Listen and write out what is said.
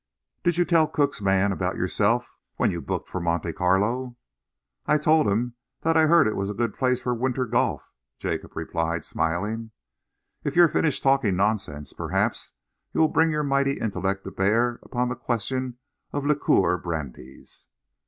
Did you tell Cook's man about yourself when you booked for Monte Carlo?" "I told him that I'd heard it was a good place for winter golf," Jacob replied, smiling. "If you've finished talking nonsense, perhaps you will bring your mighty intellect to bear upon the question of liqueur brandies."